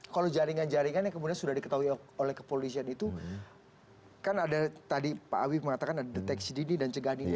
kalau jaringan jaringan yang kemudian sudah diketahui oleh kepolisian itu kan ada tadi pak awi mengatakan ada deteksi dini dan cegahan dini